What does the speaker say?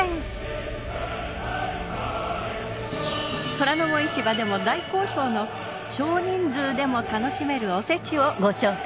『虎ノ門市場』でも大好評の少人数でも楽しめるおせちをご紹介。